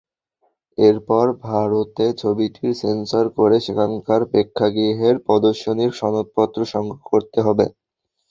এরপর ভারতে ছবিটির সেন্সর করে সেখানকার প্রেক্ষাগৃহের প্রদর্শনীর সনদপত্র সংগ্রহ করতে হবে।